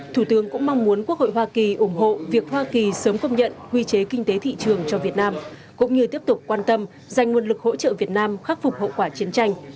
thủ tướng cũng mong muốn quốc hội hoa kỳ ủng hộ việc hoa kỳ sớm công nhận quy chế kinh tế thị trường cho việt nam cũng như tiếp tục quan tâm dành nguồn lực hỗ trợ việt nam khắc phục hậu quả chiến tranh